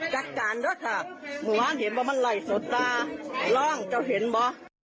จากการรักษาหลวงเห็นว่ามันไหลสนตาร่องก็เห็นปะ